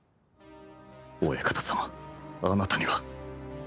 お館様あなたには